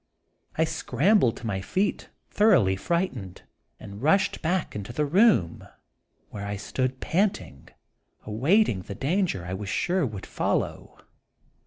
I scrambled to my feet thoroughly frightened, and rushed back into the room, where I stood panting, await ing the danger I was sure would follow.